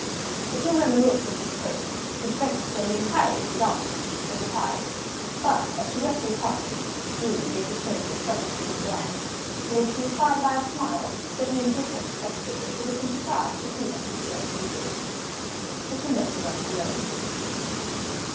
The two women looked at this person whose presence they had entirely forgotten, and retired; but, as she left the apartment, Julie gave the stranger a supplicating glance, to which he replied by a smile that an indifferent spectator would have been surprised to see on his stern features. The two men were left alone.